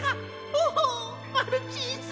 おおマルチーズ！